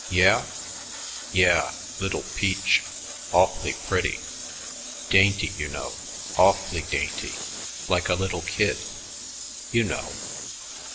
"Yeah?" "Yeah. Little peach. Awf'lly pretty. Dainty, you know. Awf'lly dainty like a little kid. You know."